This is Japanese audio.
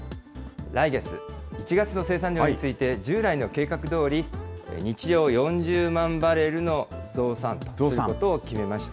来月・１月の生産量について、従来の計画どおり、日量４０万バレルの増産ということを決めました。